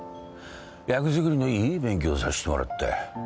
役作りのいい勉強させてもらったよ。